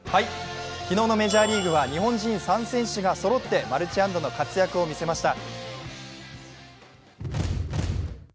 昨日のメジャーリーグは日本人３選手がそろってマルチ安打の活躍をみせました。